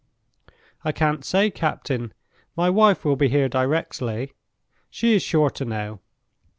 "I can't say, captain. My wife will be here directly; she is sure to know.